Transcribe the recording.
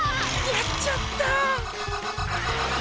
やっちゃった！